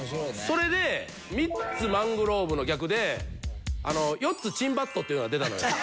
それでミッツ・マングローブの逆でヨッツ・チンバットっていうのが出たのよ。